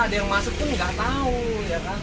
ada yang masuk pun nggak tahu ya kan